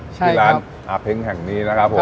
ที่ร้านอะเพ้งเห่งนี้